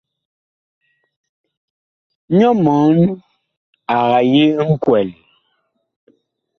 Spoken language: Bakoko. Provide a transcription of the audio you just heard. Nyɔ mɔɔn ag yi nkwɛl.